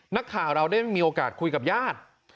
นักข่าวเราได้มีโอกาสคุยกับญาติ